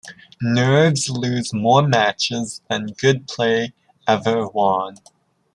Nerves lose more matches than good play ever won.